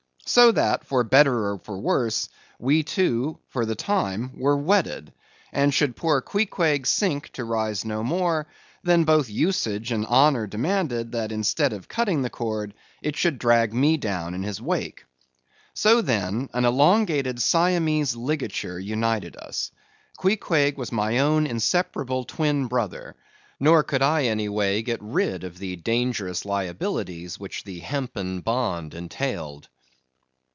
So that for better or for worse, we two, for the time, were wedded; and should poor Queequeg sink to rise no more, then both usage and honor demanded, that instead of cutting the cord, it should drag me down in his wake. So, then, an elongated Siamese ligature united us. Queequeg was my own inseparable twin brother; nor could I any way get rid of the dangerous liabilities which the hempen bond entailed.